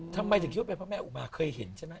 ทำไมถึงคิดว่าเป็นพระแม่อุมาเคยเห็นใช่ไหม